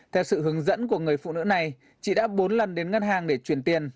theo sự hướng dẫn của người phụ nữ này chị đã bốn lần đến ngân hàng để chuyển tiền